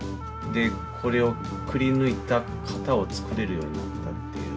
でこれをくりぬいたカタを作れるようになったっていう。